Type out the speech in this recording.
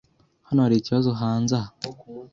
Hano hari ikibazo hanze aha?